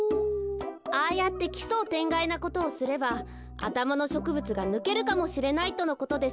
ああやって奇想天外なことをすればあたまのしょくぶつがぬけるかもしれないとのことです。